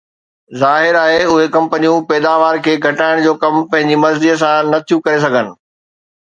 ظاهر آهي، اهي ڪمپنيون پيداوار کي گهٽائڻ جو ڪم پنهنجي مرضي سان نه ٿيون ڪري سگهن